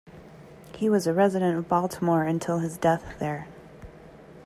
He was a resident of Baltimore until his death there.